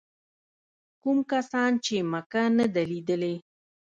کوم کسان چې مکه نه ده لیدلې.